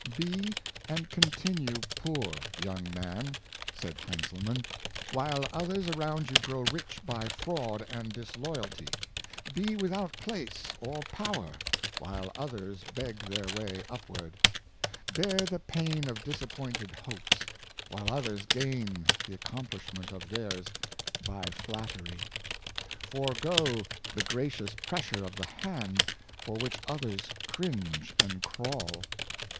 " Be and continue poor, young man," said Heinzel mann^ " while others around you grow rich by fraud and disloyalty ; be without place or power, while others beg their way upward; bear the pain of disappointed hopes, while others gain the accomplishment of theirs by flattery; forego the gracious pressure of the hand, for which others cringe and crawl.